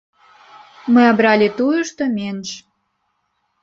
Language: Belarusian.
Мы абралі тую, што менш.